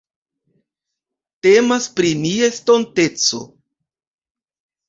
Temas pri nia estonteco.